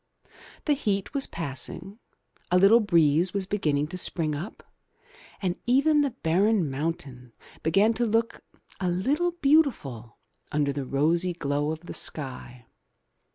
The heat was passing, a little breeze was beginning to spring up, and even the barren mountain began to look a little beautiful under the rosy glow of the sky.